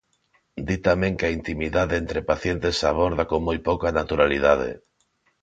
Di tamén que a intimidade entre pacientes se aborda con moi pouca naturalidade.